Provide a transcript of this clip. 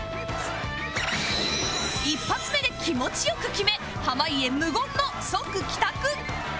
１発目で気持ち良く決め濱家無言の即帰宅